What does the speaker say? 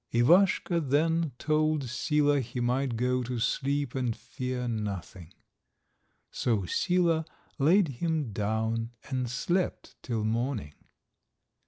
Ivaschka then told Sila he might go to sleep and fear nothing. So Sila laid him down and slept till morning.